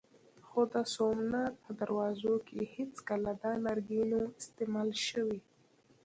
خو د سومنات په دروازو کې هېڅکله دا لرګی نه و استعمال شوی.